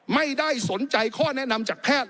ไม่ได้สนใจข้อแนะนำจากแพทย์